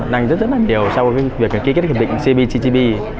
đang rất rất là nhiều sau việc ký kết hiệp định cptpp